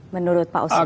menurut pak ustaz